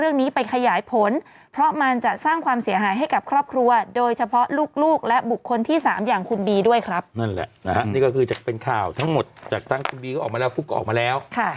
นี่ก็คือจากเป็นข้าวทั้งหมดจากทั้งคุณบีก็ออกมาแล้วฟลุ๊กก็ออกมาแล้ว